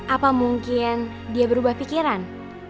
apa mungkin dia berubah pikiran